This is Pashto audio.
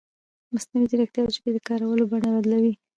مصنوعي ځیرکتیا د ژبې د کارولو بڼه بدلوي.